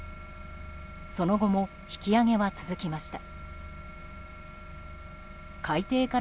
その後も引き揚げは続きました。